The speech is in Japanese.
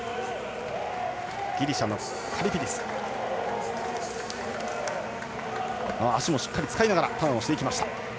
カリピディス、足もしっかりと使いながらターンをしていきました。